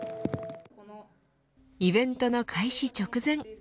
イベントの開始直前